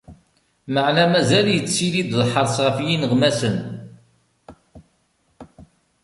Meɛna mazal yettili-d lḥers ɣef yineɣmasen.